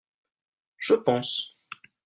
Je pense.